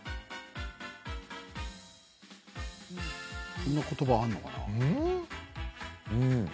こんなことばあるのかな？